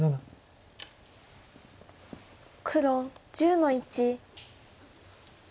黒１０の一。